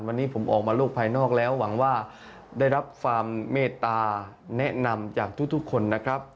วันนี้ผมออกมาโลกภายนอกแล้วหวังว่าได้รับความเมตตาแนะนำจากทุกคนนะครับ